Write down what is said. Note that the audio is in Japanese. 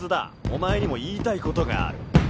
お前にも言いたいことがある。